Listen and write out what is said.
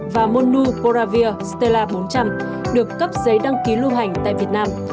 và monulpiravir stela bốn trăm linh được cấp giấy đăng ký lưu hành tại việt nam